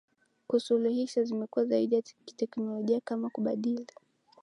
kusuluhisha zimekuwa zaidi za kiteknolojia km kubadili